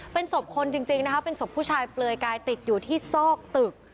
เป็นศพคนจริงนะคะเป็นศพผู้ชายเปลือยกายติดอยู่ที่ซอกตึก